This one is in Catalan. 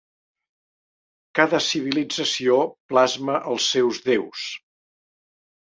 Cada civilització plasma els seus déus.